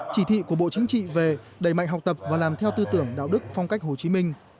chỉ thị của bộ chính trị về đẩy mạnh học tập và làm theo tư tưởng đạo đức phong cách hồ chí minh